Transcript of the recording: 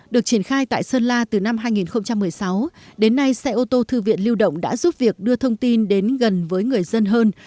được triển khai tại sơn la từ năm hai nghìn một mươi sáu đến nay xe ô tô thư viện lưu động đã giúp việc đưa thông tin đến gần với người dân hơn